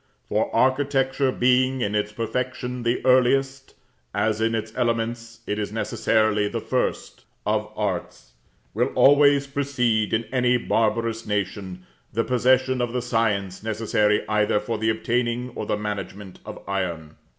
For architecture being in its perfection the earliest, as in its elements it is necessarily the first, of arts, will always precede, in any barbarous nation, the possession of the science necessary either for the obtaining or the management of iron.